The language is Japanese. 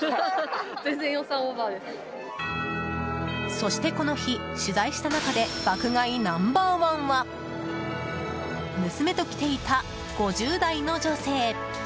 そしてこの日、取材した中で爆買いナンバー１は娘と来ていた５０代の女性。